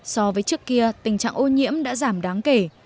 so với trước kia tình trạng ô nhiễm đã giảm đáng kể